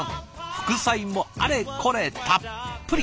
副菜もあれこれたっぷり。